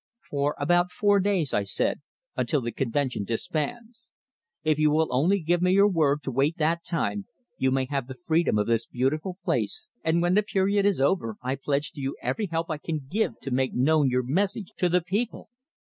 "For about four days," I said; "until the convention disbands. If you will only give me your word to wait that time, you may have the freedom of this beautiful place, and when the period is over, I pledge you every help I can give to make known your message to the people."